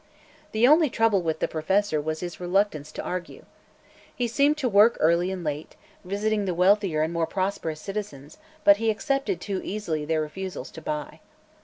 The only trouble with the Professor was his reluctance to argue. He seemed to work early and late, visiting the wealthier and more prosperous citizens, but he accepted too easily their refusals to buy.